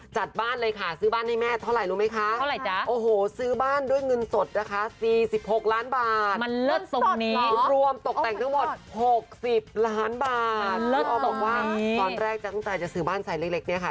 จัดบ้านเลยค่ะซื้อบ้านให้แม่เท่าไหร่รู้ไหมคะ